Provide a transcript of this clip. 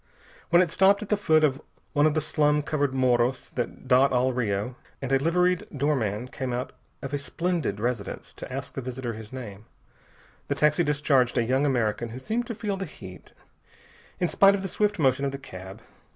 When it stopped at the foot of one of the slum covered morros that dot all Rio, and a liveried doorman came out of a splendid residence to ask the visitor his name, the taxi discharged a young American who seemed to feel the heat, in spite of the swift motion of the cab.